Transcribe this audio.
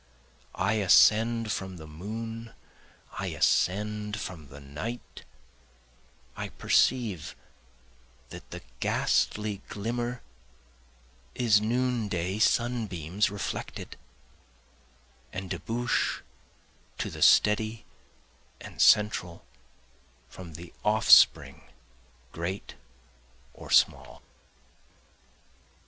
I ascend from the moon, I ascend from the night, I perceive that the ghastly glimmer is noonday sunbeams reflected, And debouch to the steady and central from the offspring great or small.